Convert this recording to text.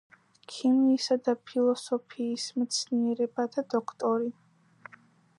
ქიმიისა და ფილოსოფიის მეცნიერებათა დოქტორი.